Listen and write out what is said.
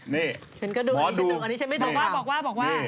นี่หมอดูบอกว่า